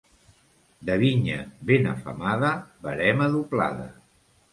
De vinya ben afamada, verema doblada.